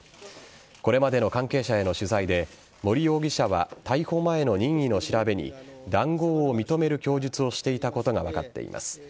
これまでの関係者への取材で森容疑者は逮捕前の任意の調べに談合を認める供述をしていたことが分かっています。